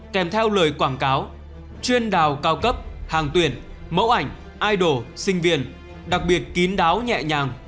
kèm theo lời quảng cáo chuyên đào cao cấp hàng tuyển mẫu ảnh i đồ sinh viên đặc biệt kín đáo nhẹ nhàng